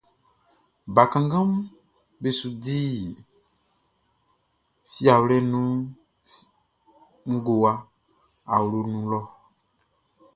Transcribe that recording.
Bakannganʼm be su di fiawlɛʼn i ngowa awloʼn nun lɔ.